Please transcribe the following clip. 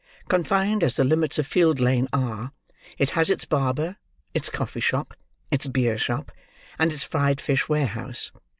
Confined as the limits of Field Lane are, it has its barber, its coffee shop, its beer shop, and its fried fish warehouse.